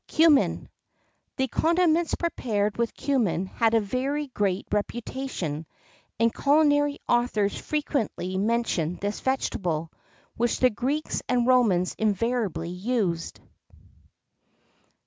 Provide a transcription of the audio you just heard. CUMMIN. The condiments prepared with cummin had a very great reputation; and culinary authors frequently mention this vegetable, which the Greeks and Romans invariably used.